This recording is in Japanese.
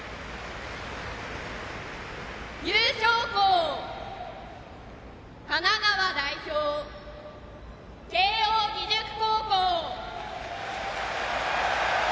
優勝校神奈川県代表、慶応義塾高校。